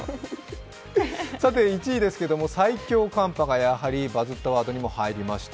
１位ですけれども最強寒波がバズったワードにも入りました。